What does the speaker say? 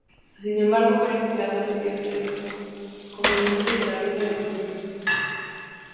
Sin embargo, varios tiradores vieron esto como el inicio de la ruina del fusil.